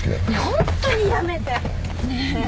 ホントにやめて！